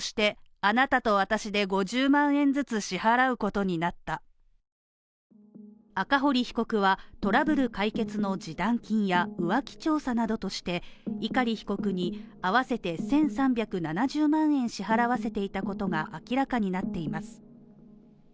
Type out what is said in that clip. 経済的な支配も赤堀被告はトラブル解決の示談金や浮気調査などとして碇被告に合わせて１３７０万円支払わせていたことが明らかになっています。